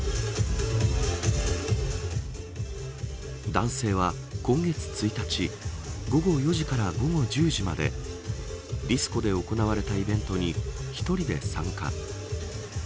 男性は今月１日午後４時から午後１０時までディスコで行われたイベントに１人で参加。